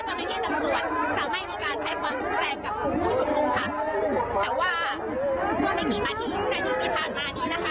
เจ้าหน้าที่ตำรวจจะไม่มีการใช้ความภูมิแรงกับกรุงผู้ชมรุงค่ะแต่ว่าเมื่อกี้มาทีในสิ่งที่ผ่านมานี้นะคะ